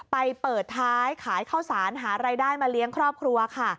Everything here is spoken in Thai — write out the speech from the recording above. ไปเปิดท้ายขายข้าวสารหารายได้มาเลี้ยงครอบครัวค่ะ